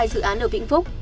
hai dự án ở vĩnh phúc